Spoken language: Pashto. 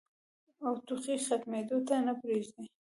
او ټوخی ختمېدو ته نۀ پرېږدي